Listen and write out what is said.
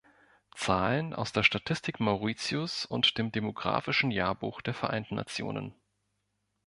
Zahlen aus der Statistik Mauritius und dem Demographischen Jahrbuch der Vereinten Nationen.